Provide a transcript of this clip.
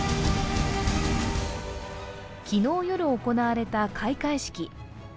昨日夜行われた開会式。